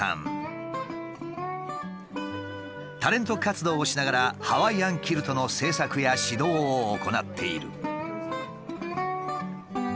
タレント活動をしながらハワイアンキルトの制作や指導を行っている。